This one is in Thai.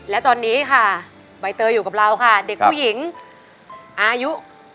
และตอนนี้ค่ะใบเตยอยู่กับเราค่ะเด็กผู้หญิงอายุ